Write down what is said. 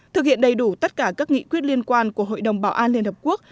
thực hiện đầy đủ tất cả các nghị quyết liên quan của hội đồng bảo an liên hợp quốc